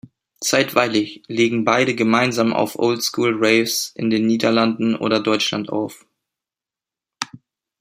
Zeitweilig legen beide gemeinsam auf Oldschool Raves in den Niederlanden oder Deutschland auf.